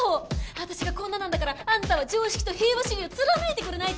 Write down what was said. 私がこんななんだからあんたは常識と平和主義を貫いてくれないと。